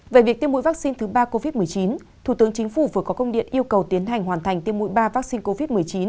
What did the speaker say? về việc tiêm mũi vắc xin thứ ba covid một mươi chín thủ tướng chính phủ vừa có công điện yêu cầu tiến hành hoàn thành tiêm mũi ba vắc xin covid một mươi chín